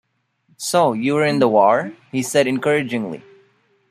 "So you were in the war," he said encouragingly.